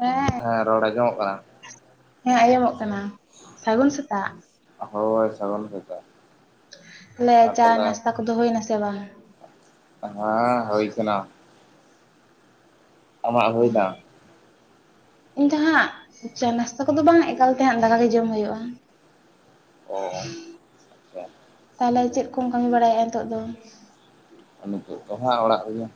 ᱦᱮᱸ ᱦᱮᱸ ᱨᱚᱲ ᱟᱸᱡᱚᱢᱚᱜ ᱠᱟᱱᱟ ᱦᱮᱸ ᱟᱸᱡᱚᱢᱚᱜ ᱠᱟᱱᱟ ᱥᱟᱹᱜᱩᱱ ᱥᱮᱛᱟᱜ ᱦᱳᱭ ᱥᱟᱹᱜᱩᱱ ᱥᱮᱛᱟᱜ ᱛᱟᱦᱚᱞᱮ ᱪᱟ ᱱᱟᱥᱛᱟ ᱠᱚᱫᱚ ᱦᱩᱭ ᱮᱱᱟ ᱥᱮ ᱵᱟᱝ? ᱦᱮᱸ ᱦᱩᱭ ᱟᱠᱟᱱᱟ ᱟᱢᱟᱜ ᱩ [unintelligible] ᱤᱧ ᱫᱚ ᱦᱟᱸᱜ ᱪᱟ ᱱᱟᱥᱛᱟ ᱠᱚᱫᱚ ᱵᱟᱝ ᱮᱠᱟᱞ ᱛᱮ ᱦᱟᱸᱜ ᱫᱟᱠᱟ ᱜᱮ ᱡᱚᱢ ᱦᱩᱭᱩᱜᱼᱟ ᱚ ᱟᱪᱪᱷᱟ ᱛᱟᱦᱞᱮ ᱪᱮᱫ ᱠᱚᱢ ᱠᱟᱹᱢᱤ ᱵᱟᱲᱟᱭᱮᱫᱟ ᱱᱤᱛᱳᱜ ᱫᱚ ᱱᱤᱛᱚᱜ ᱫᱚ ᱦᱟᱸᱜ ᱚᱲᱟᱜ ᱨᱮᱜᱮ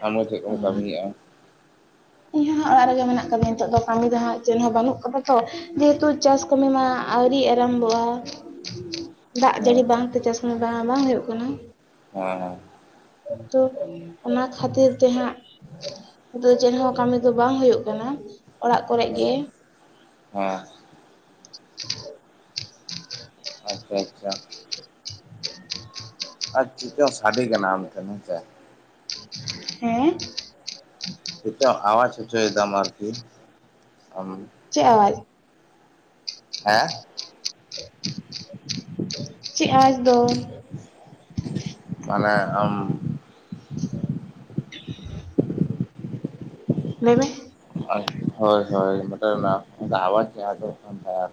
ᱟᱢ ᱫᱚ ᱪᱮᱫ ᱠᱚᱢ ᱚ ᱠᱟᱹᱢᱤᱭᱮᱫᱼᱟ [unintelligible] ᱤᱧ ᱦᱚᱸ ᱦᱟᱸᱜ ᱚᱲᱟᱜ ᱨᱮᱜᱮ ᱢᱮᱱᱟᱜ ᱟᱠᱟᱫᱟᱧ-ᱟ ᱱᱤᱛᱚᱜ ᱫᱚ ᱠᱟᱹᱢᱤ ᱫᱚ ᱦᱟᱸᱜ ᱪᱮᱫ ᱦᱚᱸ ᱵᱟᱹᱱᱩᱜ ᱟᱠᱟᱫᱟ ᱛᱚ ᱡᱮᱦᱮᱛᱩ ᱪᱟᱥ ᱠᱟᱢᱤ ᱢᱟ ᱟᱹᱣᱨᱤ ᱟᱨᱟᱢᱵᱚᱜᱼᱟ ᱫᱟᱜ ᱦᱮᱸ ᱡᱟᱹᱲᱤ ᱦᱮᱸ ᱵᱟᱝᱛᱮ ᱪᱟᱥ ᱢᱟ ᱵᱟᱝ ᱦᱩᱭᱩᱜ ᱠᱟᱱᱟ ᱦᱮᱸ ᱦᱮᱸ ᱛᱚ ᱚᱱᱟ ᱠᱷᱟᱹᱛᱤᱨ ᱛᱮ ᱦᱟᱸᱜ ᱱᱤᱛᱚᱜ ᱫᱚ ᱪᱮᱫᱦᱚᱸ ᱠᱟᱹᱢᱤ ᱫᱚ ᱵᱟᱝ ᱦᱩᱭᱩᱜ ᱠᱟᱱᱟ ᱚᱲᱟᱜ ᱠᱚᱨᱮ ᱜᱮ ᱾ ᱦᱮᱸ [unintelligible] ᱟᱪᱪᱷᱟ ᱟᱪᱪᱷᱟ [unintelligible] [unintelligible] ᱟᱨ ᱪᱮᱫ ᱪᱚᱝ ᱥᱟᱰᱮ ᱠᱟᱱᱟ ᱟᱢᱴᱷᱮᱱ ᱦᱮᱸᱥᱮ ᱦᱮᱸ ᱪᱮᱫ ᱪᱚᱝ ᱟᱣᱟᱡ ᱦᱚᱪᱚᱭ ᱮᱫᱟᱢ ᱟᱨᱠᱤ [unintelligible] ᱟᱢ ᱪᱮᱫ ᱟᱣᱟᱡ ᱦᱮᱸ ᱪᱮᱫ ᱟᱣᱟᱡ ᱫᱚ ᱢᱟᱱᱮ ᱟᱢ [unintelligible] ᱞᱟᱹᱭ ᱢᱮ ᱦᱳᱭ ᱦᱳᱭ ᱢᱮᱫᱴᱮᱱ ᱟᱣᱟᱡ ᱟᱡᱚᱢᱚᱜ ᱠᱟᱱ ᱛᱟᱦᱮᱱᱟ ᱟᱨ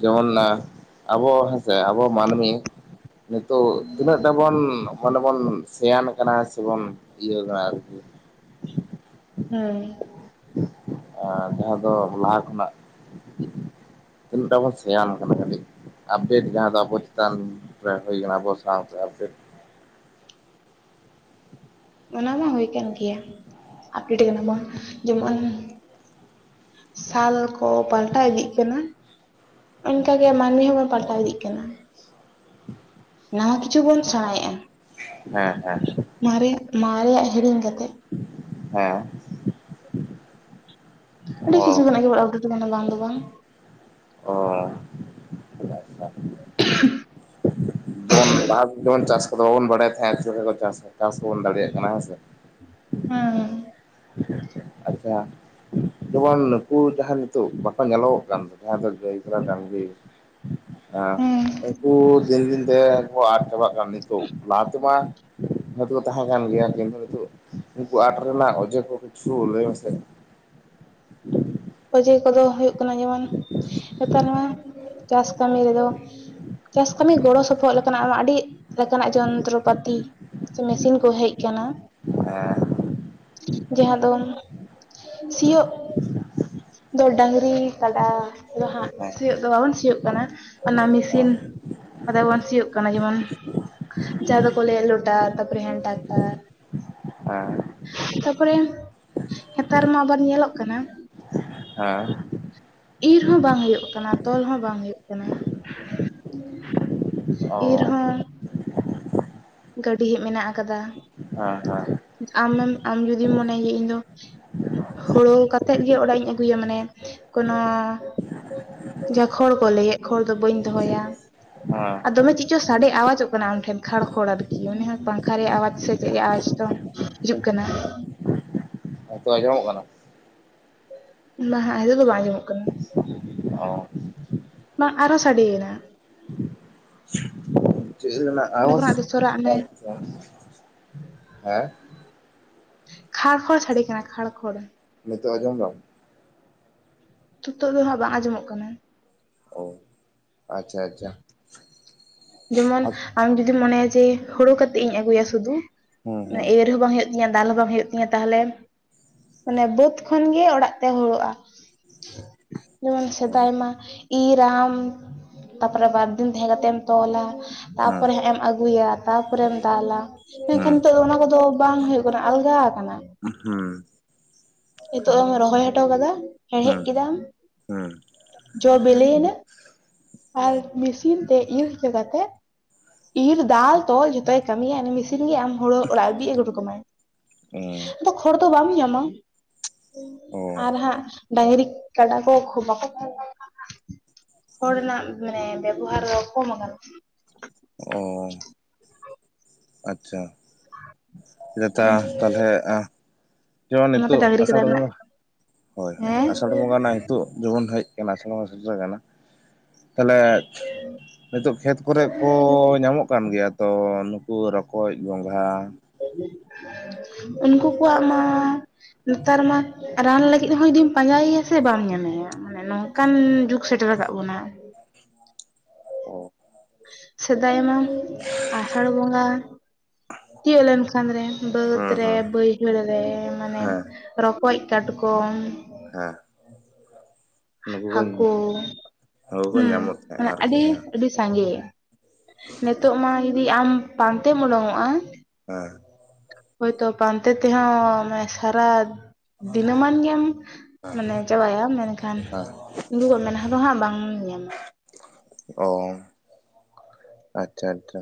ᱡᱮᱢᱚᱱ ᱟᱵᱚ ᱦᱮᱸᱥᱮ ᱟᱵᱚ ᱢᱟᱹᱱᱢᱤ ᱱᱤᱛᱚᱜ ᱛᱤᱱᱟᱹᱜ ᱴᱟᱵᱚᱱ ᱢᱟᱱᱮ ᱵᱚᱱ ᱥᱮᱭᱟᱱ ᱟᱠᱟᱱᱟ ᱥᱮᱵᱚᱱ ᱤᱭᱟᱹ ᱟᱠᱟᱱᱟ ᱟᱨᱠᱤ ᱦᱮᱸ ᱡᱟᱦᱟᱸ ᱫᱚ ᱞᱟᱦᱟ ᱠᱷᱚᱱᱟᱜ ᱛᱤᱱᱟᱹᱜ ᱴᱟᱜ ᱵᱚᱱ ᱥᱮᱭᱟᱱ ᱟᱠᱟᱱᱟ ᱠᱟᱴᱤᱡ ᱟᱯᱰᱮᱴ ᱡᱟᱦᱟᱸ ᱫᱚ ᱟᱵᱚ ᱪᱮᱛᱟᱱ ᱦᱩᱭ ᱟᱠᱟᱱᱟ ᱟᱵᱚ ᱥᱟᱶᱛᱮ ᱟᱯᱰᱮᱴ ᱚᱱᱟ ᱢᱟ ᱦᱩᱭ ᱟᱠᱟᱱ ᱜᱮᱭᱟ ᱟᱯᱰᱮᱴ ᱠᱟᱱᱟ ᱵᱚᱱ ᱡᱮᱢᱚᱱ ᱥᱟᱞ ᱠᱚ ᱯᱟᱞᱴᱟᱣ ᱤᱫᱤᱜ ᱠᱟᱱᱟ ᱚᱱᱠᱟᱜᱮ ᱢᱟᱹᱱᱢᱤ ᱦᱚᱸᱵᱚᱱ ᱯᱟᱞᱴᱟᱣ ᱤᱫᱤᱜ ᱠᱟᱱᱟ ᱱᱟᱣᱟ ᱠᱤᱪᱷᱩ ᱵᱚᱱ ᱥᱮᱬᱟᱭ-ᱟ ᱦᱮᱸ ᱦᱮᱸ ᱢᱟᱨᱮᱭᱟᱜ ᱦᱮᱲᱤᱧ ᱠᱟᱛᱮ ᱦᱮᱸ [inaudible] ᱟᱹᱰᱤ ᱠᱤᱪᱷᱩ ᱚ ᱠᱷᱚᱱᱟᱜ ᱜᱮᱵᱚᱱ ᱟᱯᱰᱮᱴ ᱟᱠᱟᱱᱟ ᱵᱟᱝ ᱫᱚ ᱵᱟᱝ ᱚ [inaudible] ᱡᱮᱢᱚᱱ ᱞᱟᱦᱟ ᱡᱮᱢᱚᱱ ᱪᱟᱥ ᱠᱚᱫᱚ ᱵᱟᱵᱚᱱ ᱵᱟᱲᱟᱭ ᱛᱟᱦᱮᱸᱜ ᱪᱮᱫ ᱞᱮᱠᱟ ᱪᱟᱥ, ᱪᱟᱥ ᱠᱚᱵᱚᱱ ᱫᱟᱲᱮᱭᱟᱜ ᱠᱟᱱᱟ ᱦᱮᱸᱥᱮ ᱦᱮᱸ ᱟᱪᱪᱷᱟ ᱡᱮᱢᱚᱱ ᱱᱩᱠᱩ ᱡᱟᱦᱟᱸ ᱱᱤᱛᱚᱜ ᱵᱟᱠᱚ ᱧᱮᱞᱚᱜᱚᱜ ᱠᱟᱱ ᱡᱟᱦᱟᱸ ᱫᱚ ᱜᱟᱹᱭ ᱠᱟᱰᱟ ᱰᱟᱝᱨᱤ ᱦᱮᱸ ᱩᱱᱠᱩ ᱫᱤᱱ ᱫᱤᱱ ᱛᱮ ᱩᱱᱠᱩ ᱟᱫ ᱪᱟᱵᱟᱜ ᱠᱟᱱᱟ ᱱᱤ ᱛᱚᱜ, ᱞᱟᱦᱟ ᱛᱮᱢᱟ ᱦᱳᱭᱛᱳ ᱠᱚ ᱛᱟᱦᱮᱸ ᱠᱟᱱ ᱜᱮᱭᱟ ᱠᱤᱱᱛᱩ ᱱᱤᱛᱚᱜ ᱩᱱᱠᱩ ᱟᱫ ᱨᱮᱱᱟᱜ ᱚᱡᱮ ᱠᱚ ᱠᱤᱪᱷᱩ ᱞᱟᱹᱭ [unintelligible] ᱚᱡᱮ ᱠᱚᱫᱚ ᱦᱩᱭᱩᱜ ᱠᱟᱱᱟ ᱡᱮᱢᱚᱱ ᱱᱮᱛᱟᱨ ᱱᱚᱣᱟ ᱪᱟᱥ ᱠᱟᱹᱢᱤ ᱨᱮᱫᱚ ᱪᱟᱥ ᱠᱟᱹᱢᱤ ᱜᱚᱲᱚ ᱥᱚᱯᱚᱦᱚᱫ ᱞᱮᱠᱟᱱᱟᱜ ᱟᱴᱟᱜ ᱟᱹᱰᱤ ᱞᱮᱠᱟᱱᱟᱜ ᱡᱚᱱᱛᱚᱨᱚᱯᱟᱛᱤ ᱥᱮ ᱢᱮᱥᱤᱱ ᱠᱚ ᱦᱮᱡ ᱠᱟᱱᱟ ᱡᱟᱦᱟᱸ ᱫᱚ ᱥᱤᱭᱳᱜ [inaudible] ᱫᱚ ᱰᱟᱹᱝᱨᱤ ᱠᱟᱰᱟ ᱫᱚ ᱦᱟᱸᱜ ᱦᱮᱸ ᱥᱤᱭᱳᱜ ᱫᱚ ᱵᱟᱵᱚᱱ ᱥᱤᱭᱳᱜ ᱠᱟᱱᱟ ᱚᱱᱟ ᱢᱤᱥᱤᱱ ᱟᱫᱚ ᱵᱚᱱ ᱥᱤᱭᱳᱜ ᱠᱟᱱᱟ ᱡᱮᱢᱚᱱ ᱡᱟᱦᱟᱸ ᱫᱚᱠᱚ ᱞᱟᱹᱭᱟ ᱞᱳᱴᱟᱨ ᱛᱟᱯᱚᱨᱮ ᱦᱮᱱ ᱴᱟᱠᱴᱟᱨ ᱦᱮᱸ ᱛᱟᱯᱚᱨᱮ ᱱᱮᱛᱟᱨ ᱢᱟ ᱟᱵᱟᱨ ᱧᱮᱞᱚᱜ ᱠᱟᱱᱟ᱾ ᱦᱮᱸ ᱤᱨ ᱦᱚᱸ ᱵᱟᱝ ᱦᱩᱭᱩᱜ ᱠᱟᱱᱟ ᱛᱚᱞ ᱦᱚᱸ ᱵᱟᱝ ᱦᱩᱭᱩᱜ ᱠᱟᱱᱟ᱾ ᱦᱮᱸ [inaudible] ᱤᱨ ᱚ ᱦᱚᱸ ᱜᱟᱹᱰᱤ ᱦᱟᱸᱜ ᱢᱮᱱᱟᱜ ᱟᱠᱟᱫᱟ᱾ ᱦᱮᱸ ᱦᱮᱸ ᱟᱢ ᱡᱩᱫᱤᱢ ᱢᱚᱱᱮᱭᱟ ᱤᱧ ᱫᱚ ᱦᱳᱲᱳ ᱠᱟᱛᱮᱫ ᱜᱮ ᱚᱲᱟᱜ ᱤᱧ ᱟᱹᱜᱩᱭᱟ ᱢᱟᱱᱮ ᱠᱳᱱᱳ ᱡᱟ ᱠᱷᱚᱲ ᱠᱚ ᱞᱟᱹᱭᱮᱫ ᱠᱷᱚᱲ ᱫᱚ ᱵᱟᱹᱧ ᱫᱚᱦᱚᱭᱟ ᱦᱮᱸ ᱟᱨ ᱫᱚᱢᱮ ᱪᱮᱫ ᱪᱚ ᱥᱟᱰᱮ, ᱟᱣᱟᱡᱚᱜ ᱠᱟᱱᱟ ᱟᱢ ᱴᱷᱮᱱ ᱠᱷᱟᱲ ᱠᱷᱚᱲ ᱠᱤ ᱩᱱᱤ ᱦᱚᱸ ᱯᱟᱝᱠᱷᱟ ᱨᱮᱭᱟᱜ ᱟᱣᱟᱡ ᱥᱮ ᱪᱮᱫ ᱨᱮᱭᱟᱜ ᱟᱣᱟᱡ ᱪᱚᱝ ᱦᱤᱡᱩᱜ ᱠᱟᱱᱟ᱾ ᱱᱤᱛᱚᱜ ᱟᱸᱡᱚᱢᱚᱜ ᱠᱟᱱᱟ? [unintelligible] ᱦᱤᱞᱳᱜ ᱫᱚ ᱵᱟᱝ ᱡᱚᱢᱚᱜ ᱠᱟᱱᱟ᱾ ᱚᱸ ᱵᱟᱝ ᱟᱨᱚ ᱥᱟᱰᱮᱭᱮᱱᱟ᱾ ᱪᱮᱫ ᱨᱮᱱᱟᱜ ᱚᱸᱰᱮ ᱟᱣᱟᱡ ᱠᱷᱚᱱᱟᱜ ᱫᱚ ᱥᱚᱨᱟᱜ ᱢᱮ [unintelligible] ᱦᱮᱸ ᱠᱷᱟᱲ ᱠᱷᱚᱲ ᱥᱟᱰᱮ ᱠᱟᱱᱟ ᱠᱷᱟᱲ ᱠᱷᱚᱲ᱾ ᱱᱤᱛᱚᱜ ᱟᱡᱚᱢ ᱫᱟᱢ? ᱱᱤᱛᱚᱜ ᱫᱚ ᱦᱟᱸᱜ ᱵᱟᱝ ᱟᱸᱡᱚᱢᱚᱜ ᱠᱟᱱᱟ᱾ ᱚ ᱟᱪᱪᱷᱟ ᱟᱪᱪᱷᱟ ᱡᱮᱢᱚᱱ ᱟᱢ ᱡᱩᱫᱤᱢ ᱢᱚᱱᱮᱭᱟ ᱡᱮ ᱦᱳᱲᱳ ᱠᱟᱛᱮᱜ ᱤᱧ ᱟᱹᱜᱩᱭᱟ ᱥᱩᱫᱷᱩ ᱦᱩᱸ ᱦᱩᱸ ᱮᱨ ᱦᱚᱸ ᱵᱟᱝ ᱦᱩᱭᱩᱜ ᱛᱤᱧᱟ, ᱫᱟᱞ ᱦᱚᱸ ᱵᱟᱝ ᱦᱩᱭᱩᱜ ᱛᱤᱧᱟ ᱛᱟᱦᱚᱞᱮ ᱢᱟᱱᱮ ᱵᱟᱹᱫᱽ ᱠᱷᱚᱱ ᱜᱮ ᱚᱲᱟᱜ ᱛᱮ ᱦᱳᱲᱳᱜᱼᱟ ᱡᱮᱢᱚᱱ ᱚ ᱥᱮᱫᱟᱭᱢᱟ ᱤᱨᱟᱢ ᱛᱟᱯᱚᱨᱮ ᱵᱟᱨ ᱫᱤᱱ ᱛᱟᱦᱮᱸ ᱠᱟᱛᱮᱢ ᱛᱚᱞᱟ ᱦᱮᱸ ᱛᱟᱯᱚᱨᱮ ᱦᱟᱸᱜ ᱮᱢ ᱟᱹᱜᱩᱭᱟ ᱛᱟᱯᱚᱨᱮᱢ ᱫᱟᱞᱟ ᱢᱮᱱᱠᱷᱟᱱ ᱦᱮᱸ ᱱᱤᱛᱚᱜ ᱫᱚ ᱚᱱᱟ ᱠᱚᱫᱚ ᱵᱟᱝ ᱦᱩᱭᱩᱜ ᱠᱟᱱᱟ ᱟᱞᱜᱟ ᱠᱟᱱᱟ ᱦᱩᱸ ᱱᱤᱛᱚᱜ ᱮᱢ ᱨᱚᱦᱚᱭ ᱦᱚᱴᱚ ᱠᱟᱫᱟ ᱦᱮᱲᱦᱮᱫ ᱠᱮᱫᱟᱢ ᱦᱩᱸ ᱡᱚ ᱵᱤᱞᱤᱭᱮᱱᱟ ᱟᱨ ᱢᱮᱥᱤᱱ ᱛᱮ ᱤᱨ ᱦᱚᱪᱚ ᱠᱟᱛᱮᱫ ᱤᱨ ᱫᱟᱞ ᱛᱚᱞ ᱡᱷᱚᱛᱚᱭ ᱠᱟᱹᱢᱤᱭᱟ ᱩᱱᱤ ᱢᱮᱥᱤᱱ ᱜᱮ ᱟᱢ ᱦᱳᱲᱳ ᱚᱲᱟᱜ ᱤᱫᱤ ᱟᱹᱜᱩ ᱦᱚᱴᱚ ᱠᱟᱢᱟᱭ ᱦᱩᱸ ᱟᱫᱚ ᱠᱷᱚᱲ ᱫᱚ ᱵᱟᱢ ᱧᱟᱢᱟ ᱚ ᱟᱨ ᱦᱟᱸᱜ ᱰᱟᱝᱨᱤ ᱠᱟᱰᱟ ᱠᱚ ᱠᱷᱩ ᱵᱟᱠᱚ ᱦᱚᱲ ᱨᱮᱱᱟᱜ ᱢᱟᱱᱮ ᱵᱮᱵᱚᱦᱟᱨ ᱫᱚ ᱠᱚᱢ ᱟᱠᱟᱱᱟ ᱚ ᱟᱪᱪᱷᱟ ᱪᱮᱛᱟ ᱛᱟᱦᱚᱞᱮ ᱡᱮᱢᱚᱱ ᱚᱱᱟᱛᱮ ᱱᱤᱛᱳᱜ ᱰᱟᱝᱨᱤ ᱟᱥᱟᱲ ᱠᱟᱰᱟ ᱨᱮᱱᱟᱜ ᱵᱚᱸᱜᱟ ᱦᱳᱭ ᱦᱳᱭ ᱦᱮᱸ ᱟᱥᱟᱲ ᱵᱚᱸᱜᱟ ᱨᱮᱱᱟᱜ ᱱᱤᱛᱳᱜ ᱡᱮᱢᱚᱱ ᱦᱮᱡ ᱟᱠᱟᱱᱟ ᱟᱥᱟᱲ ᱦᱚ ᱥᱮᱴᱮᱨ ᱠᱟᱱᱟ ᱛᱟᱦᱚᱞᱮ ᱱᱤᱛᱳᱜ ᱠᱷᱮᱛ ᱠᱚᱨᱮ ᱠᱚ ᱧᱟᱢᱚᱜ ᱠᱟᱱ ᱜᱮᱭᱟ ᱛᱚ ᱱᱩᱠᱩ ᱨᱚᱠᱚᱡ ᱜᱚᱸᱝᱜᱷᱟ ᱩᱱᱠᱩ ᱠᱚᱣᱟᱜ ᱢᱟ ᱱᱮᱛᱟᱨ ᱢᱟ ᱨᱟᱱ ᱞᱟᱹᱜᱤᱫ ᱦᱚᱸ ᱡᱩᱫᱤᱢ ᱯᱟᱸᱡᱟᱭᱮᱭᱟ ᱥᱮ ᱵᱟᱢ ᱧᱟᱢᱮᱭᱟ ᱢᱟᱱᱮ ᱱᱚᱝᱠᱟᱱ ᱡᱩᱜᱽ ᱥᱮᱴᱮᱨ ᱟᱠᱟᱫ ᱵᱚᱱᱟ ᱠᱚ ᱥᱮᱫᱟᱭ ᱢᱟ ᱟᱥᱟᱲ ᱵᱚᱸᱜᱟ ᱛᱤᱭᱳᱜ ᱞᱮᱱᱠᱷᱟᱱ ᱨᱮ ᱵᱟᱹᱫᱽ ᱦᱮᱸ ᱨᱮ ᱦᱮᱸ ᱵᱟᱹᱭᱦᱟᱹᱲ ᱨᱮ ᱢᱟᱱᱮ ᱦᱮᱸ ᱨᱚᱠᱚᱡ ᱠᱟᱴᱠᱚᱢ ᱦᱮᱸ ᱱᱩᱠᱩ ᱠᱚ ᱦᱟᱹᱠᱩ ᱱᱩᱠᱩ ᱠᱚ ᱦᱩᱸ ᱧᱟᱢᱚᱜ ᱛᱟᱦᱮᱸᱜ ᱢᱟᱱᱮ ᱟᱨᱠᱤ ᱟᱹᱰᱤ ᱦᱮᱸ ᱟᱹᱰᱤ ᱥᱟᱸᱜᱮ ᱱᱤᱛᱚᱜ ᱢᱟ ᱡᱩᱫᱤ ᱟᱢ ᱯᱟᱱᱛᱮᱢ ᱩᱰᱩᱝᱚᱜᱼᱟ ᱦᱮᱸ ᱦᱳᱭᱛᱳ ᱯᱟᱱᱛᱮ ᱛᱮᱦᱚᱸ ᱢᱟᱱ ᱥᱟᱨᱟ ᱫᱤᱱᱟᱹᱢᱟᱱ ᱜᱮᱢ ᱢᱟᱱᱮ ᱪᱟᱵᱟᱭᱟ ᱢᱮᱱᱠᱷᱟᱱ ᱦᱮᱸ [unintelligible] ᱢᱮᱸᱫ ᱟᱦᱟᱸ ᱫᱚ ᱦᱟᱸᱜ ᱵᱟᱝ ᱧᱟᱢᱟ ᱚ ᱟᱪᱪᱷᱟ ᱟᱪᱪᱷᱟ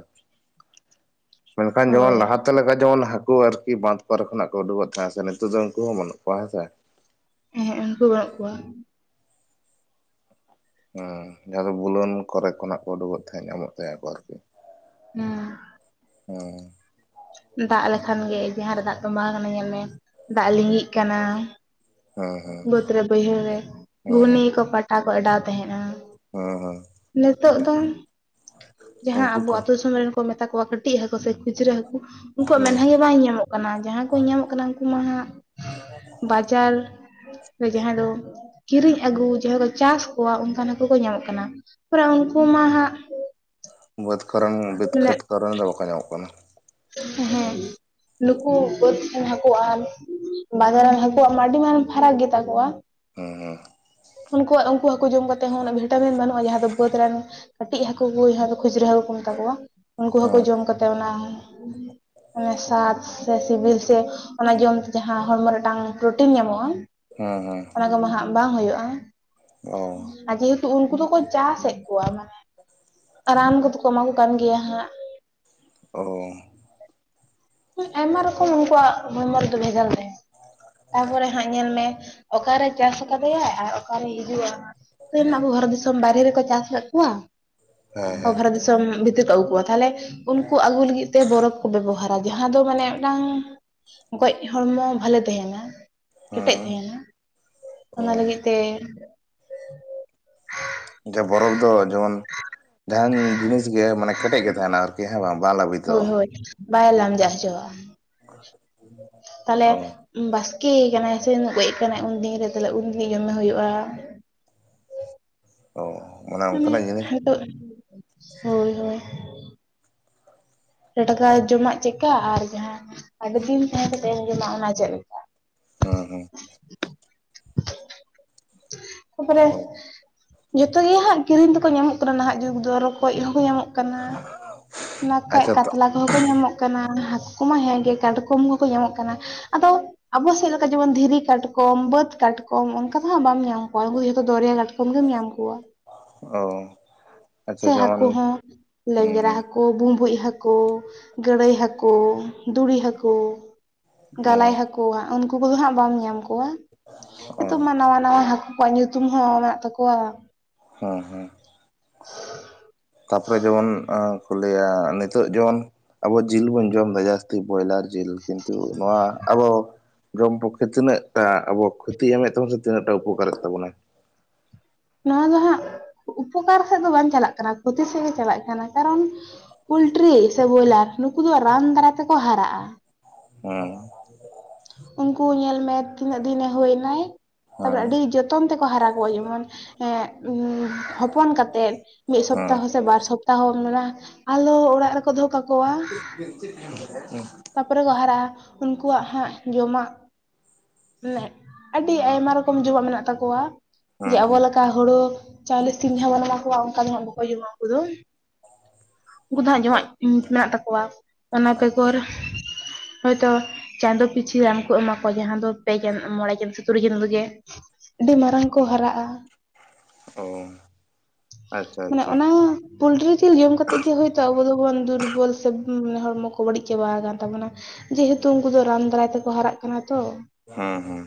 ᱢᱮᱱᱠᱷᱟᱱ ᱡᱮᱢᱚᱱ ᱦᱳᱭ ᱞᱟᱦᱟ [unintelligible] ᱞᱮᱠᱟ ᱡᱮᱢᱚᱱ ᱦᱟᱹᱠᱩ ᱟᱨᱠᱤ ᱵᱟᱸᱫᱷ ᱠᱚᱨᱮ ᱠᱷᱚᱱᱟᱜ ᱠᱚ ᱩᱰᱩᱠᱚᱜ ᱛᱟᱦᱮᱸ ᱥᱮ ᱱᱤᱛᱚᱜ ᱫᱚ ᱩᱱᱠᱩ ᱦᱚᱸ ᱵᱟᱹᱱᱩᱜ ᱠᱚᱣᱟ ᱦᱮᱸ ᱥᱮ ᱦᱮᱸ ᱩᱱᱠᱩ ᱵᱟᱹᱱᱩᱜ ᱠᱚᱣᱟ ᱦᱮᱸ ᱡᱟᱦᱟᱸ ᱫᱚ ᱵᱩᱞᱟᱹᱱ ᱠᱚᱨᱮ ᱠᱷᱚᱱᱟᱜ ᱠᱚ ᱩᱰᱩᱠᱚᱜ ᱛᱟᱦᱮᱸ ᱧᱟᱢᱚᱜ ᱛᱟᱦᱮᱸ ᱠᱚ ᱟᱨᱠᱤ ᱦᱮᱸ ᱦᱮᱸ ᱫᱟᱜ ᱞᱮᱠᱷᱟᱱ ᱜᱮ ᱡᱟᱦᱟᱸ ᱨᱮ ᱫᱟᱜ ᱛᱚᱸᱵᱟᱣ ᱠᱟᱱᱟ ᱧᱮᱞ ᱢᱮ ᱫᱟᱜ ᱞᱤᱸᱜᱤᱜ ᱠᱟᱱᱟ ᱦᱮᱸ ᱦᱮᱸ ᱵᱟᱹᱫᱽ ᱨᱮ ᱵᱟᱹᱭᱦᱟᱹᱲ ᱨᱮ ᱜᱷᱩᱱᱤ ᱠᱚ ᱯᱟᱴᱟ ᱠᱚ ᱚᱰᱟᱣ ᱛᱟᱦᱮᱸᱱᱟ ᱦᱮᱸ ᱦᱮᱸ ᱦᱮᱸ ᱱᱤᱛᱳᱜ ᱫᱚ ᱡᱟᱦᱟᱸ ᱩᱱᱠᱩ ᱟᱵᱚ ᱠᱚ ᱟᱹᱛᱩ ᱫᱤᱥᱚᱢ ᱨᱮᱱ ᱠᱚ ᱢᱮᱛᱟ ᱠᱚᱣᱟ ᱠᱟᱹᱴᱤᱡ ᱦᱟᱹᱠᱩ ᱥᱮ ᱠᱷᱩᱪᱨᱟᱹ ᱦᱟᱹᱠᱩ ᱩᱱᱠᱩᱣᱟᱜ ᱦᱩᱸ ᱢᱮᱫᱦᱟ ᱜᱮ ᱵᱟᱝ ᱧᱟᱢᱚᱜ ᱠᱟᱱᱟ ᱡᱟᱦᱟᱸᱭ ᱠᱚ ᱧᱟᱢᱚᱜ ᱠᱟᱱᱟ ᱩᱱᱠᱩ ᱢᱟ ᱦᱟᱸᱜ ᱪᱟᱞ ᱡᱟᱦᱟᱸ ᱫᱚ ᱠᱤᱨᱤᱧ ᱟᱹᱜᱩ ᱡᱟᱦᱟᱸᱭ ᱠᱚ ᱪᱟᱥ ᱠᱚᱣᱟ ᱚᱱᱠᱟᱱ ᱦᱟᱹᱠᱩ ᱠᱚ ᱧᱟᱢᱚᱜ ᱠᱟᱱᱟ ᱛᱚᱨᱮ ᱩᱱᱠᱩ ᱢᱟ ᱦᱟᱸᱜ ᱵᱟᱹᱫᱽ ᱠᱚᱨᱮᱱ ᱵᱟᱹᱫᱽ ᱢᱟᱱᱮ ᱠᱷᱮᱛ ᱠᱚᱨᱮᱱ ᱫᱚ ᱵᱟᱠᱚ ᱧᱟᱢᱚᱜ ᱠᱟᱱᱟ ᱦᱮᱸ ᱱᱩᱠᱩ ᱵᱟᱹᱫᱽ ᱦᱟᱹᱠᱩᱼᱟᱱ ᱵᱟᱡᱟᱨ ᱨᱮᱱ ᱦᱟᱹᱠᱩᱣᱟᱜ ᱢᱟ ᱟᱹᱰᱤ ᱢᱟᱨᱟᱝ ᱯᱷᱟᱨᱟᱠ ᱜᱮᱛᱟ ᱠᱚᱣᱟ ᱦᱮᱸ ᱦᱮᱸ ᱩᱱᱠᱩᱣᱟᱜ ᱩᱱᱠᱩ ᱦᱟᱹᱠᱩ ᱡᱚᱢ ᱠᱟᱛᱮᱫ ᱦᱚᱸ ᱩᱱᱟᱹᱜ ᱵᱷᱤᱴᱟᱢᱤᱱ ᱵᱟᱹᱱᱩᱜᱼᱟ ᱡᱟᱦᱟᱸ ᱫᱚ ᱵᱟᱹᱫᱽ ᱨᱮᱱ ᱠᱟᱹᱴᱤᱡ ᱦᱟᱹᱠᱩ ᱠᱚ ᱡᱟᱦᱟᱸ ᱫᱚ ᱠᱷᱩᱪᱨᱟᱹ ᱦᱟᱹᱠᱩ ᱠᱚ ᱢᱮᱛᱟ ᱠᱚᱣᱟ ᱩᱱᱠᱩ ᱦᱟᱹᱠᱩ ᱦᱩᱸ ᱡᱚᱢ ᱠᱟᱛᱮᱫ ᱚᱱᱟ ᱚᱱᱮ ᱥᱟᱫ ᱥᱮ ᱥᱤᱵᱤᱞ ᱥᱮ ᱚᱱᱟ ᱡᱚᱢᱛᱮ ᱡᱟᱦᱟᱸ ᱦᱚᱲᱢᱚ ᱢᱤᱫᱴᱟᱝ ᱯᱨᱚᱴᱤᱱ ᱧᱟᱢᱚᱜ-ᱟ ᱦᱮᱸ ᱦᱮᱸ ᱚᱱᱟ ᱦᱟᱸᱜ ᱵᱟᱝ ᱦᱩᱭᱩᱜᱼᱟ ᱩᱱᱠᱩ ᱫᱚᱠᱚ ᱪᱟᱥᱮᱫ ᱠᱚᱣᱟ ᱢᱟᱱᱮ ᱨᱟᱱ ᱠᱚᱫᱚ ᱠᱚ ᱮᱢᱟ ᱠᱚ ᱠᱟᱱ ᱜᱮᱭᱟ ᱦᱟᱸᱜ ᱚ ᱟᱭᱢᱟ ᱨᱚᱠᱚᱢ ᱩᱱᱠᱩᱣᱟᱜ [unintelligible] ᱛᱟᱯᱚᱨᱮ ᱦᱟᱸᱜ ᱧᱮᱞ ᱢᱮ ᱚᱠᱟᱨᱮ ᱪᱟᱥ ᱠᱟᱫᱮᱭᱟ ᱟᱨ ᱚᱠᱟᱨᱮᱭ ᱦᱤᱡᱩᱜᱼᱟ᱾ ᱛᱮᱦᱤᱧ ᱟᱵᱚ ᱵᱷᱚᱨᱥᱛ ᱫᱤᱥᱚᱢ ᱵᱟᱨᱦᱮ ᱨᱮᱠᱚ ᱪᱟᱥ ᱞᱮᱫᱠᱚᱣᱟ ᱦᱮᱸ ᱦᱮᱸ ᱵᱷᱟᱨᱚᱛ ᱫᱤᱥᱚᱢ ᱵᱷᱤᱛᱤᱨ ᱠᱚ ᱟᱹᱜᱩ ᱠᱚᱣᱟ ᱛᱟᱦᱞᱮ ᱩᱱᱠᱩ ᱟᱹᱜᱩ ᱞᱟᱹᱜᱤᱫ ᱛᱮ ᱵᱚᱨᱚᱯᱷ ᱠᱚ ᱵᱮᱵᱚᱦᱟᱨᱟ ᱡᱟᱦᱟᱸ ᱫᱚ ᱢᱟᱱᱮ ᱢᱤᱫᱴᱟᱝ ᱜᱚᱡ ᱦᱚᱲᱢᱚ ᱵᱷᱟᱞᱮ ᱛᱟᱦᱮᱱᱟ ᱠᱮᱴᱮᱡ ᱦᱩᱸ ᱛᱟᱦᱮᱱᱟ ᱚ ᱚᱱᱟ ᱞᱟᱹᱜᱤᱫ ᱛᱮ ᱡᱮ ᱵᱚᱨᱚᱯᱷ ᱫᱚ ᱡᱮᱢᱚᱱ ᱡᱟᱦᱟᱱ ᱡᱤᱱᱤᱥ ᱜᱮ ᱢᱟᱱᱮ ᱠᱮᱴᱮᱡ ᱜᱮ ᱛᱟᱦᱮᱱᱟ ᱟᱨᱠᱤ ᱦᱮᱸ ᱵᱟᱝ ᱞᱟᱹᱵᱤᱛ ᱦᱳᱭ ᱦᱳᱭ ᱵᱟᱭ ᱞᱟᱢᱡᱟᱜ ᱪᱟᱵᱟᱜᱼᱟ ᱛᱟᱦᱚᱞᱮ ᱚ ᱵᱟᱥ ᱠᱮ ᱠᱟᱱᱟᱭ ᱥᱮ ᱜᱚᱡ ᱠᱟᱱᱟᱭ ᱩᱱᱫᱤᱱ ᱨᱮ ᱛᱟᱦᱚᱞᱮ ᱩᱱᱜᱷᱟᱹᱲᱤᱡ ᱡᱚᱢᱮ ᱦᱩᱭᱩᱜᱼᱟ ᱚ ᱢᱟᱱᱮ ᱦᱳᱭ ᱦᱳᱭ ᱴᱟᱴᱠᱟ ᱚ ᱡᱚᱢᱟᱜ ᱪᱮᱫᱠᱟ ᱟᱨ ᱡᱟᱦᱟᱸ ᱟᱹᱰᱤ ᱫᱤᱱ ᱛᱟᱦᱮᱸ ᱠᱟᱛᱮ ᱮᱢ ᱡᱚᱢᱟ ᱚᱱᱟ ᱪᱮᱫ ᱞᱮᱠᱟ ᱦᱮᱸ ᱦᱩᱸ ᱛᱟᱨᱯᱚᱨᱮ ᱚ ᱡᱚᱛᱚ ᱜᱮ ᱦᱟᱸᱜ ᱠᱤᱨᱤᱧ ᱫᱚᱠᱚ ᱧᱟᱢᱚᱜ ᱠᱟᱱᱟ ᱱᱟᱦᱟᱜ ᱡᱩᱜᱽ ᱫᱚ ᱨᱚᱠᱚᱡ ᱦᱚᱸᱠᱚ ᱧᱟᱢᱚᱜ ᱠᱟᱱᱟ᱾ [unintelligible] ᱠᱷᱟᱡ ᱠᱟᱛᱞᱟ ᱠᱚᱦᱚᱸ ᱠᱚ ᱧᱟᱢᱚᱜ ᱠᱟᱱᱟ ᱦᱟᱹᱠᱩ ᱠᱚᱢᱟ ᱦᱮᱸ ᱜᱮ ᱠᱟᱴᱠᱚᱢ ᱦᱚᱸᱠᱚ ᱧᱟᱢᱚᱜ ᱠᱟᱱᱟ ᱟᱫᱚ ᱟᱵᱚ ᱥᱮᱫ ᱞᱮᱠᱟ ᱡᱮᱢᱚᱱ ᱫᱷᱤᱨᱤ ᱠᱟᱴᱠᱚᱢ ᱵᱟᱹᱫᱽ ᱠᱟᱴᱠᱚᱢ ᱚᱱᱠᱟ ᱫᱚ ᱦᱟᱸᱜ ᱵᱟᱢ ᱧᱟᱢ ᱠᱚᱣᱟ ᱩᱱᱠᱩ ᱡᱷᱚᱛᱚ ᱫᱚᱨᱭᱟ ᱠᱟᱴᱠᱚᱢ ᱠᱚᱢ ᱜᱮᱢ ᱧᱟᱢ ᱠᱚᱣᱟ ᱚ ᱟᱪᱪᱷᱟ ᱥᱮ ᱡᱮᱢᱚᱱ ᱦᱟᱠᱩ ᱦᱚᱸ ᱦᱩᱸ ᱞᱮᱡᱨᱟ ᱦᱩᱸ ᱦᱟᱠᱩ ᱦᱟᱹᱠᱩ, ᱵᱩᱢᱵᱩᱡ ᱦᱟᱹᱠᱩ, ᱜᱟᱹᱲᱟᱹᱭ ᱦᱟᱹᱠᱩ, ᱫᱷᱩᱲᱤ ᱦᱟᱹᱠᱩ ᱚ ᱜᱟᱞᱟᱭ ᱦᱟᱹᱠᱩ ᱦᱟᱸᱜ ᱩᱱᱠᱩ ᱠᱚᱫᱚ ᱦᱟᱸᱜ ᱵᱟᱢ ᱧᱟᱢ ᱠᱚᱣᱟ᱾ ᱚ ᱱᱤᱛᱚᱜ ᱢᱟ ᱱᱟᱣᱟ ᱱᱟᱣᱟ ᱦᱟᱹᱠᱩ ᱟᱠᱚᱣᱟᱜ ᱧᱩᱛᱩᱢ ᱦᱚᱸ ᱢᱮᱱᱟᱜ ᱛᱟᱠᱚᱣᱟ ᱦᱚᱸ ᱦᱚᱸ ᱛᱟᱨᱯᱚᱨᱮ ᱡᱮᱢᱚᱱ ᱠᱚ ᱞᱟᱹᱭᱟ ᱱᱤᱛᱚᱜ ᱡᱮᱢᱚᱱ ᱟᱵᱚ ᱡᱤᱞ ᱵᱚᱱ ᱡᱚᱢ ᱮᱫᱟ ᱡᱟᱹᱥᱛᱤ ᱵᱚᱭᱞᱟᱨ ᱡᱤᱞ ᱠᱤᱱᱛᱩ ᱱᱚᱣᱟ ᱟᱵᱚ ᱡᱚᱢ ᱯᱚᱠᱠᱷᱮ ᱛᱤᱱᱟᱹᱜ ᱟ ᱟᱵᱚ ᱠᱷᱚᱛᱤ ᱮᱢᱮᱫ ᱛᱟᱵᱚ ᱥᱮ ᱛᱤᱱᱟᱹᱜ ᱴᱟ ᱩᱯᱚᱠᱟᱨᱮᱫ ᱛᱟᱵᱚᱱᱟᱭ ᱱᱚᱣᱟ ᱫᱚ ᱦᱟᱸᱜ ᱩᱯᱚᱠᱟᱨ ᱥᱮᱫ ᱫᱚ ᱵᱟᱝ ᱪᱟᱞᱟᱜ ᱠᱟᱱᱟ ᱠᱷᱚᱛᱤ ᱥᱮᱫ ᱜᱮ ᱪᱟᱞᱟᱜ ᱠᱟᱱᱟ ᱠᱟᱨᱚᱱ ᱯᱚᱞᱴᱨᱤ ᱥᱮ ᱵᱚᱭᱞᱟᱨ ᱱᱩᱠᱩ ᱫᱚ ᱨᱟᱱ ᱫᱟᱨᱟᱭ ᱛᱮᱠᱚ ᱦᱟᱨᱟᱜᱼᱟ᱾ ᱦᱩᱸ ᱩᱱᱠᱩ ᱧᱮᱞ ᱢᱮ ᱛᱤᱱᱟᱹᱜ ᱫᱤᱱᱮ ᱦᱩᱭᱮᱱᱟᱭ ᱛᱟᱯᱚᱨᱮ ᱦᱮᱸ ᱟᱹᱰᱤ ᱡᱚᱛᱚᱱ ᱛᱮᱠᱚ ᱦᱟᱨᱟ ᱠᱚᱣᱟ ᱡᱮᱢᱚᱱ ᱮ ᱦᱚᱯᱚᱱ ᱠᱟᱛᱮᱫ ᱢᱤᱫ ᱦᱮᱸ ᱥᱚᱯᱛᱟᱦᱚ ᱥᱮ ᱵᱟᱨ ᱥᱚᱯᱛᱟᱦᱚ ᱢᱮᱱᱟᱜᱼᱟ ᱟᱞᱳ ᱚᱲᱟᱜ ᱨᱮᱠᱚ ᱫᱚᱦᱚ ᱠᱟᱠᱚᱣᱟ ᱦᱩᱸ ᱛᱟᱨᱯᱚᱨᱮ ᱠᱚ ᱦᱟᱨᱟᱜᱼᱟ᱾ᱩᱱᱠᱩᱣᱟᱜ ᱦᱟᱸᱜ ᱡᱚᱢᱟᱜ ᱢᱟᱱᱮ ᱟᱹᱰᱤ ᱟᱭᱢᱟ ᱨᱚᱠᱚᱢ ᱡᱚᱢᱟᱜ ᱢᱮᱱᱟᱜ ᱛᱟᱠᱚᱣᱟ᱾ ᱡᱮ ᱦᱮᱸ ᱟᱵᱚ ᱦᱮᱸ ᱞᱮᱠᱟ ᱦᱩᱲᱩ ᱪᱟᱣᱞᱮ ᱥᱤᱢ ᱡᱟᱦᱟ ᱵᱚᱱ ᱮᱢᱟ ᱠᱚᱣᱟ ᱚᱱᱠᱟ ᱫᱚ ᱦᱟᱸᱜ ᱵᱟᱠᱚ ᱡᱚᱢᱟ ᱩᱱᱠᱩ ᱫᱚ ᱩᱱᱠᱩ ᱫᱚ ᱦᱟᱜ ᱚ ᱡᱚᱢᱟᱜ ᱢᱮᱱᱟᱜ ᱛᱟᱠᱚᱣᱟ᱾ ᱚᱱᱟ ᱟᱪᱪᱷᱟ ᱵᱮᱜᱚᱨ ᱦᱚᱭᱛᱳ ᱪᱟᱸᱫᱚ ᱯᱤᱪᱷᱤ ᱨᱟᱱ ᱠᱚ ᱮᱢᱟ ᱠᱚᱣᱟ ᱡᱟᱦᱟᱸ ᱫᱚ ᱯᱮ ᱜᱮᱞ ᱢᱚᱬᱮ ᱜᱮᱞ ᱥᱮ ᱛᱩᱨᱩᱭ ᱪᱟᱸᱫᱚ ᱨᱮᱜᱮ ᱟᱹᱰᱤ ᱢᱟᱨᱟᱝ ᱠᱚ ᱦᱟᱨᱟᱜᱼᱟ ᱚ ᱟᱪᱪᱷᱟ ᱢᱟᱱᱮ ᱟᱪᱪᱷᱟ ᱚᱱᱟ ᱯᱚᱞᱴᱨᱤ ᱡᱤᱞ ᱡᱚᱢ ᱠᱟᱛᱮᱜ ᱜᱮ ᱦᱳᱭᱛᱳ ᱟᱵᱚ ᱫᱚᱵᱚᱱ ᱫᱩᱨᱵᱚᱞ ᱥᱮ ᱦᱚᱲᱢᱚ ᱠᱚ ᱵᱟᱹᱲᱤᱡ ᱪᱟᱵᱟ ᱟᱠᱟᱱ ᱛᱟᱵᱚᱱᱟ᱾ ᱡᱮᱦᱮᱛᱩ ᱩᱱᱠᱩ ᱫᱚ ᱨᱟᱱ ᱫᱟᱨᱟᱭ ᱛᱮᱠᱚ ᱦᱟᱨᱟᱜ ᱠᱟᱱᱟ ᱛᱚ ᱦᱮᱸ ᱦᱮᱸ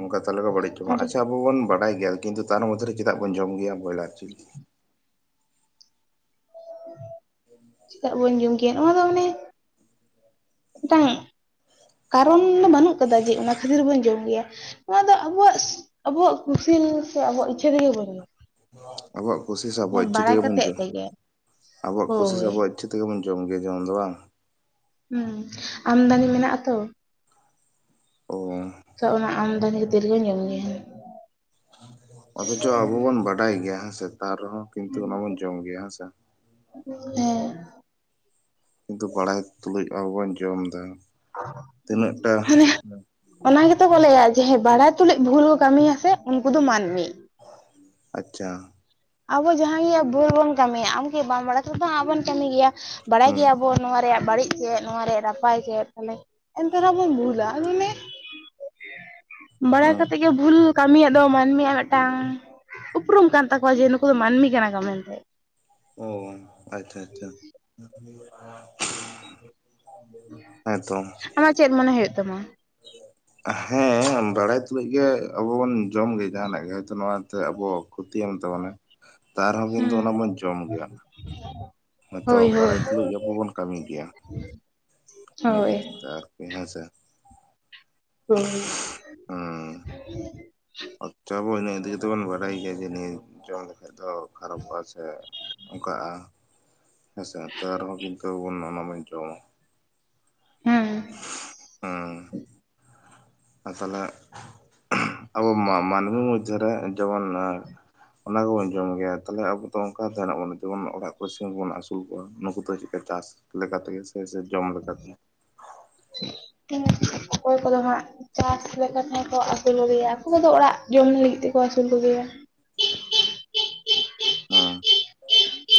ᱚᱱᱠᱟ ᱛᱟᱞᱟᱨᱮ ᱵᱟᱹᱲᱤᱡ ᱪᱟᱵᱟᱜ ᱟᱨ ᱟᱪᱪᱷᱟ ᱟᱵᱚᱱ ᱵᱟᱲᱟᱭ ᱜᱮᱭᱟ ᱠᱤᱱᱛᱩ ᱛᱟᱨ ᱢᱚᱫᱽᱫᱷᱨᱮ ᱪᱮᱫᱟᱜ ᱵᱚᱱ ᱡᱚᱢ ᱜᱮᱭᱟ ᱵᱚᱭᱞᱟᱨ ᱡᱤᱞ ᱪᱮᱫᱟᱜ ᱵᱚᱱ ᱡᱚᱢ ᱠᱮᱭᱟ ᱱᱚᱣᱟ ᱫᱚ ᱢᱟᱱᱮ ᱢᱤᱫᱴᱟᱝ ᱠᱟᱨᱚᱱ ᱫᱚ ᱵᱟᱹᱱᱩᱜ ᱠᱟᱫᱟ ᱡᱮ ᱚᱱᱟ ᱠᱷᱟᱹᱛᱤᱨ ᱵᱚᱱ ᱡᱚᱢ ᱜᱮᱭᱟ ᱱᱚᱣᱟ ᱫᱚ ᱟᱵᱚᱣᱟᱜ ᱟᱵᱚᱣᱟᱜ ᱠᱩᱥᱤᱞ ᱥᱮ ᱟᱵᱚᱣᱟᱜ ᱤᱪᱪᱷᱟᱹ ᱛᱮᱜᱮ ᱵᱚᱱ ᱡᱚᱢᱟ ᱟᱵᱚᱣᱟᱜ ᱠᱩᱥᱤ ᱥᱮ ᱟᱵᱚᱣᱟᱜ ᱤᱪᱪᱷᱟᱹ ᱵᱟᱲᱟᱭ ᱛᱮᱜᱮ ᱵᱚᱱ ᱠᱟᱛᱮᱜ ᱡᱚᱢ᱾ ᱛᱮᱜᱮ ᱟᱵᱚᱣᱟᱜ ᱠᱩᱥᱤ ᱥᱮ ᱦᱳᱭ ᱟᱵᱚᱣᱟᱜ ᱤᱪᱪᱷᱟ ᱜᱮᱵᱚᱱ ᱡᱚᱢ ᱜᱮᱭᱟ ᱡᱚᱢ ᱫᱚ ᱵᱟᱝ ᱦᱩᱸ ᱟᱢᱫᱟᱱᱤ ᱢᱮᱱᱟᱜ-ᱟ ᱛᱚ ᱚ ᱛᱚ ᱚᱱᱟ ᱟᱢᱫᱟᱱᱤ ᱠᱷᱟᱹᱛᱤᱨ ᱜᱮ ᱧᱮᱞᱚᱜ ᱜᱮᱭᱟ ᱚᱫᱚᱪᱪᱚ ᱟᱵᱚ ᱵᱚᱱ ᱵᱟᱰᱟᱭ ᱜᱮᱭᱟ ᱦᱮᱸᱥᱮ ᱛᱟ ᱨᱮᱦᱚᱸ ᱠᱤᱱᱛᱩ ᱚᱱᱟ ᱵᱚᱱ ᱡᱚᱢ ᱜᱮᱭᱟ ᱦᱮᱸᱥᱮ ᱦᱮᱸ ᱠᱤᱱᱛᱩ ᱵᱟᱲᱟᱭ ᱛᱩᱞᱩᱡ ᱟᱵᱚ ᱵᱚᱱ ᱡᱚᱢ ᱮᱫᱟ ᱛᱤᱱᱟᱹᱜ ᱴᱟ ᱦᱟᱱᱮ ᱚᱱᱟ ᱜᱮᱛᱚ ᱠᱚ ᱞᱟᱹᱭᱟ ᱡᱮ ᱵᱟᱲᱟᱭ ᱛᱩᱞᱩᱡ ᱵᱷᱩᱞ ᱠᱚ ᱠᱟᱹᱢᱤᱭᱟ ᱥᱮ ᱩᱱᱠᱩ ᱫᱚ ᱢᱟᱹᱱᱢᱤ ᱟᱪᱪᱷᱟ ᱟᱵᱚ ᱡᱟᱦᱟᱸᱭ ᱜᱮ ᱵᱷᱳᱨ ᱵᱚᱱ ᱠᱟᱹᱢᱤᱭᱟ ᱟᱢᱠᱤ ᱵᱟᱢ ᱵᱟᱲᱟᱭ ᱜᱮ ᱵᱚᱱ ᱠᱟᱹᱢᱤ ᱜᱮᱭᱟ ᱵᱟᱲᱟᱭ ᱦᱩᱸ ᱜᱮᱭᱟᱵᱚᱱ ᱱᱚᱣᱟ ᱨᱮᱭᱟᱜ‌ ᱵᱟᱹᱲᱤᱡ ᱪᱮᱫ ᱱᱚᱣᱟᱨᱮ ᱱᱟᱯᱟᱭ ᱠᱮᱫ ᱛᱟᱦᱞᱮ ᱮᱱᱛᱮ ᱨᱮᱦᱚ ᱵᱚᱱ ᱵᱷᱩᱞᱟ ᱟᱫᱚ ᱚᱱᱮ ᱵᱟᱲᱟᱭ ᱦᱩᱸ ᱠᱟᱛᱮ ᱜᱮ ᱵᱷᱩᱞ ᱠᱟᱹᱢᱤᱭᱟᱜ ᱫᱚ ᱢᱟᱹᱱᱢᱤᱭᱟᱜ ᱢᱤᱫᱴᱟᱝ ᱩᱯᱨᱩᱢ ᱠᱟᱱ ᱛᱟᱠᱚᱣᱟ ᱡᱮ ᱱᱩᱠᱩ ᱫᱚ ᱢᱟᱹᱱᱢᱤ ᱠᱟᱱᱟ ᱠᱚ ᱢᱮᱱᱛᱮ ᱚ ᱟᱪᱪᱷᱟ ᱟᱪᱪᱷᱟ ᱦᱮᱸᱛᱚ ᱟᱢᱟᱜ ᱪᱮᱫ ᱢᱚᱱᱮ ᱦᱩᱭᱩᱜ ᱛᱟᱢᱟ ᱦᱮᱸ ᱵᱟᱲᱟᱭ ᱛᱩᱞᱩᱡ ᱜᱮ ᱟᱵᱚᱵᱚᱱ ᱡᱚᱢᱮᱫᱟ ᱡᱟᱦᱟᱱᱟᱜ ᱜᱮ ᱦᱚᱭᱛᱚ ᱱᱚᱣᱟ ᱟᱵᱚ ᱠᱷᱚᱛᱤᱭᱮᱢ ᱛᱟᱵᱚᱱᱟ ᱛᱟᱣ ᱨᱮᱦᱚᱸ ᱠᱤᱱᱛᱩ ᱦᱩᱸ ᱚᱱᱟ ᱵᱚᱱ ᱡᱚᱢ ᱜᱮᱭᱟ [inaudible] ᱦᱚᱭᱛᱚ ᱦᱳᱭ ᱵᱟᱲᱟᱭ ᱛᱩᱞᱩᱡ ᱟᱵᱚ ᱵᱚᱱ ᱠᱟᱹᱢᱤ ᱜᱮᱭᱟ ᱢᱤᱫ ᱦᱳᱭ ᱠᱷᱟᱹᱛᱤᱨ ᱛᱮ ᱟᱨᱠᱤ ᱦᱮᱸ ᱥᱮ ᱦᱚᱭ ᱟᱪᱪᱷᱟ ᱟᱵᱚ ᱤᱱᱟᱹ ᱤᱫᱤ ᱠᱟᱛᱮᱜ ᱵᱚᱱ ᱵᱟᱲᱟᱭ ᱜᱮᱭᱟ ᱡᱮ ᱱᱤᱭᱟ ᱦᱮᱛᱚ ᱟᱫᱚ ᱠᱷᱟᱨᱟᱯᱚᱜ-ᱟ ᱥᱮ ᱚᱱᱠᱟᱜ-ᱟ ᱦᱮᱸᱥᱮ ᱛᱟᱸᱨᱮᱦᱚ ᱠᱤᱱᱛᱩ ᱟᱵᱚᱵᱚᱱ ᱱᱚᱣᱟ ᱵᱚᱱ ᱡᱚᱢᱟ ᱦᱩᱸ [unintelligible] ᱟ ᱛᱟᱦᱚᱞᱮ ᱟᱵᱚ ᱢᱟᱹᱱᱢᱤ ᱢᱚᱫᱽᱫᱷᱮᱨᱮ ᱡᱮᱢᱚᱱ ᱚᱱᱟ ᱜᱮᱵᱚᱱ ᱡᱚᱢ ᱜᱮᱭᱟ ᱛᱟᱦᱚᱞᱮ ᱟᱵᱚ ᱚᱱᱠᱟ ᱛᱟᱦᱮᱱᱟ ᱵᱚᱱᱟ ᱡᱮᱢᱚᱱ ᱚᱲᱟᱜ ᱠᱚᱨᱮ ᱥᱤᱢ ᱠᱚᱵᱚᱱ ᱟᱹᱥᱩᱞ ᱠᱚᱣᱟ ᱱᱩᱠᱩ ᱫᱚ ᱪᱮᱫᱠᱟ ᱪᱟᱥ ᱞᱮᱠᱟᱛᱮᱜᱮ ᱥᱮ ᱥᱮ ᱡᱚᱢ ᱞᱮᱠᱟᱛᱮ ᱴᱷᱤᱠ ᱚᱠᱚᱭ ᱠᱚᱫᱚ ᱦᱟᱸᱜ ᱪᱟᱥ ᱞᱮᱠᱟ ᱛᱮ ᱠᱚ ᱟᱹᱥᱩᱞ ᱠᱚᱜᱮᱭᱟ ᱟᱠᱚ ᱠᱚᱫᱚ ᱚᱲᱟᱜ ᱡᱚᱢ ᱞᱟᱹᱜᱤᱫ ᱛᱮᱠᱚ ᱟᱹᱥᱩᱞ ᱠᱚᱜᱮᱭᱟ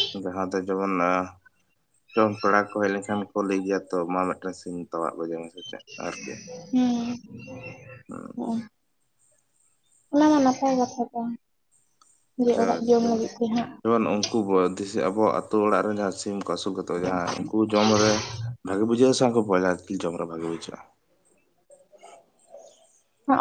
ᱦᱮᱸ ᱡᱟᱦᱟᱸ ᱫᱚ ᱡᱮᱢᱚᱱ ᱯᱮᱲᱟ ᱠᱚ ᱦᱮᱡ ᱞᱮᱱᱠᱷᱟᱱ ᱠᱚ ᱞᱟᱹᱭ ᱜᱮᱭᱟ ᱛᱚ ᱢᱟ ᱢᱤᱫᱴᱟᱝ ᱥᱤᱢ ᱛᱟᱣᱟᱜ ᱠᱚᱡᱮ ᱢᱮ ᱦᱩᱸ ᱦᱩᱸ ᱦᱚᱜ-ᱚ ᱚᱱᱟ ᱢᱟ ᱱᱟᱯᱟᱭ ᱠᱟᱛᱷᱟ ᱠᱟᱱ ᱡᱮ ᱟᱪᱪᱷᱟ ᱚᱲᱟᱜ ᱟᱡᱚᱢ ᱡᱚᱢ ᱞᱟᱹᱜᱤᱫ ᱛᱮ ᱦᱟᱸᱜ ᱡᱮᱢᱚᱱ ᱩᱱᱠᱩ ᱩᱱᱠᱩ ᱟᱵᱚ ᱟᱹᱛᱩ ᱚᱲᱟᱜ ᱨᱮᱱ ᱡᱟᱦᱟᱸ ᱥᱤᱢ ᱠᱚ ᱟᱹᱥᱩᱞ ᱠᱟᱛᱮᱜ ᱠᱚ ᱡᱟᱦᱟᱸ ᱩᱱᱠᱩ ᱡᱚᱢ ᱨᱮ ᱵᱷᱟᱜᱤ ᱵᱩᱡᱟᱹᱜ-ᱟ ᱥᱮ ᱩᱱᱠᱩ ᱵᱚᱭᱞᱟᱨ ᱡᱤᱞ ᱡᱚᱢ ᱨᱮ ᱵᱷᱟᱜᱤ ᱵᱩᱡᱟᱹᱜ-ᱟ ᱚᱲᱟᱜ